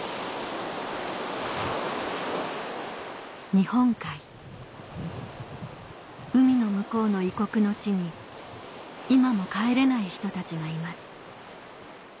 日本海海の向こうの異国の地に今も帰れない人たちがいます